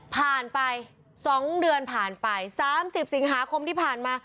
ผ่านไป๒เดือนผ่านไป๓๐สิงหาคมที่ผ่านมา